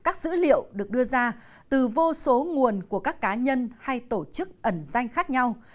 các dữ liệu được đưa ra từ vô số nguồn của các cá nhân hay tổ chức ẩn danh khác nhau